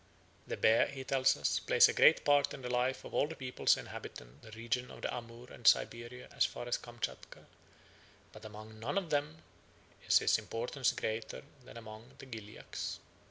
The bear, he tells us, plays a great part in the life of all the peoples inhabiting the region of the Amoor and Siberia as far as Kamtchatka, but among none of them is his importance greater than among the Gilyaks.